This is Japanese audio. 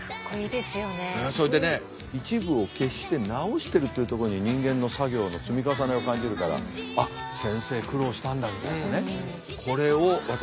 それでね一部を消して直してるっていうところに人間の作業の積み重ねを感じるからあっ先生苦労したんだみたいなね。